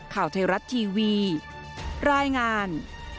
ข่าวไทยรัฐทีวีรายงาน